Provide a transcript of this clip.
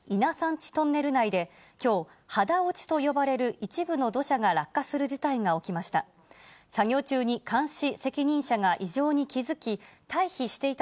ちトンネル内で、きょう、はだおちと呼ばれる一部の土砂が落下する事態が起きました。